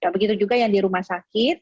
begitu juga yang di rumah sakit